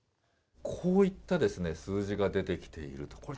こういった数字が出てきていると。